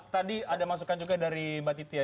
tadi ada masukan juga dari mbak titia